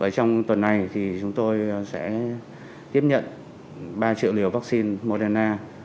trong tuần này chúng tôi sẽ tiếp nhận ba triệu liều vaccine moderna